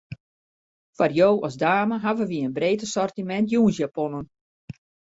Foar jo as dame hawwe wy in breed assortimint jûnsjaponnen.